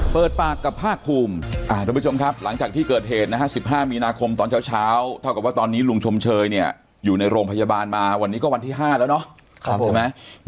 เปิดปากกับภาคภูมิทุกผู้ชมครับหลังจากที่เกิดเหตุนะฮะ๑๕มีนาคมตอนเช้าเท่ากับว่าตอนนี้ลุงชมเชยเนี่ยอยู่ในโรงพยาบาลมาวันนี้ก็วันที่๕แล้วเนาะใช่ไหม